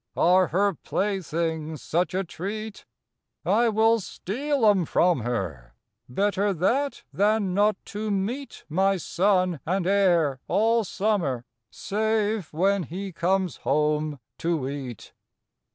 Are her playthings such a treat? I will steal 'em from her; Better that than not to meet My son and heir all summer, Save when he comes home to eat.